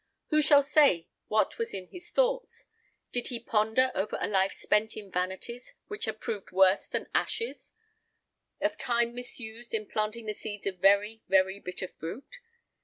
Who shall say what was in his thoughts? Did he ponder over a life spent in vanities which had proved worse than ashes; of time misused in planting the seeds of very, very bitter fruit?